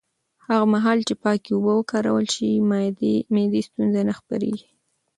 هغه مهال چې پاکې اوبه وکارول شي، معدي ستونزې نه خپرېږي.